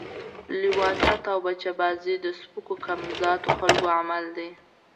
لواطت او بچه بازی د سپکو کم ذات خلکو عمل ده